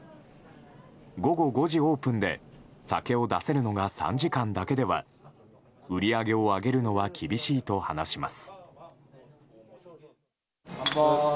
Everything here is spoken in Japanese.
午後５時オープンで酒を出せるのが３時間だけでは売り上げを上げるのは厳しいと話します。